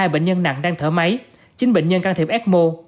ba trăm linh hai bệnh nhân nặng đang thở máy chín bệnh nhân can thiệp ecmo